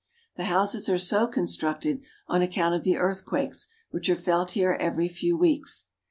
The houses are so constructed on account of the earthquakes which are felt here every few weeks.